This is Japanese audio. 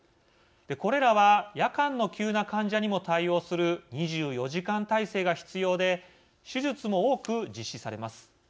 これらは夜間の急な患者にも対応する２４時間体制が必要で手術も多く実施されます。